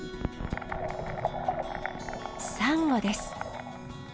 サンゴです。